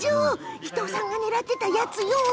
伊藤さんが狙ってたやつね。